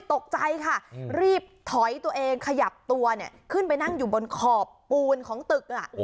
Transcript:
ตกใจค่ะรีบถอยตัวเองขยับตัวขึ้นไปนั่งอยู่บนขอบปูนของตึก